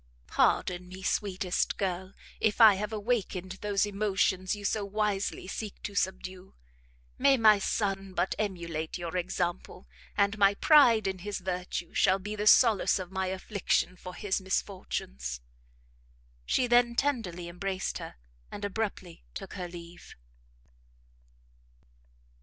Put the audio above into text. "Pardon me, sweetest girl, if I have awakened those emotions you so wisely seek to subdue. May my son but emulate your example, and my pride in his virtue shall be the solace of my affliction for his misfortunes." She then tenderly embraced her, and abruptly took her leave.